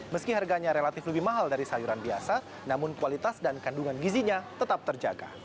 meski harganya relatif lebih mahal dari sayuran biasa namun kualitas dan kandungan gizinya tetap terjaga